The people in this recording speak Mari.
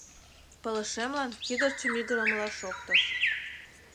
— Пылышемлан кӱдырчӧ мӱгырымыла шоктыш.